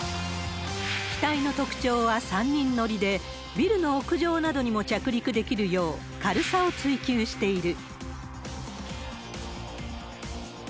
機体の特徴は３人乗りで、ビルの屋上などにも着陸できるよう、軽さを追求している。